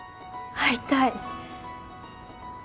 会いたい。